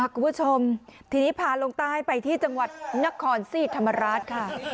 คุณผู้ชมทีนี้พาลงใต้ไปที่จังหวัดนครศรีธรรมราชค่ะ